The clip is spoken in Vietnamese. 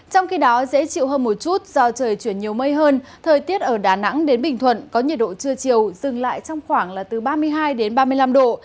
trong khi đó dễ chịu hơn một chút do trời chuyển nhiều mây hơn thời tiết ở đà nẵng đến bình thuận có nhiệt độ trưa chiều dừng lại trong khoảng là từ ba mươi hai đến ba mươi năm độ